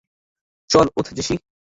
চল ওঠ জেসি!